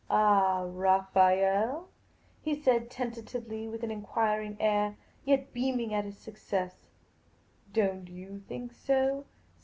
" Ah, Raphael?" he said, tentatively, with an enquiring air, yet beaming at his success. " Don't you think so?